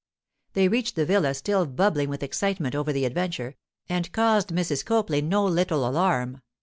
They reached the villa still bubbling with excitement over the adventure, and caused Mrs. Copley no little alarm.